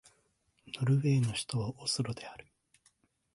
ノルウェーの首都はオスロである